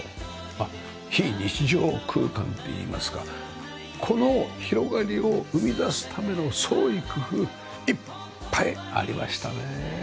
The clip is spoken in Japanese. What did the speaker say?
まあ非日常空間といいますかこの広がりを生み出すための創意工夫いっぱいありましたね。